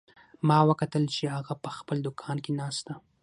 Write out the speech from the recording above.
ما وکتل چې هغه په خپل دوکان کې ناست ده